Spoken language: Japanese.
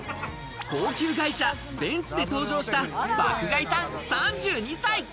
高級外車ベンツで登場した爆買いさん、３２歳。